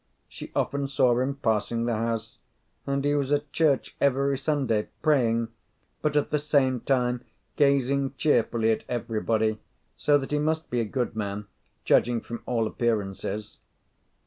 She often saw him passing the house; and he was at church every Sunday, praying, but at the same time gazing cheerfully at everybody; so that he must be a good man, judging from all appearances.